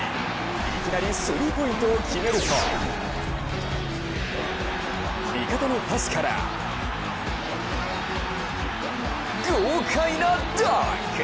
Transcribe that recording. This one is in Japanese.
いきなりスリーポイントを決めると味方のパスから豪快なダンク！